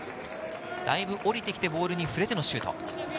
だいぶ下りて来てボールに触れてのシュート。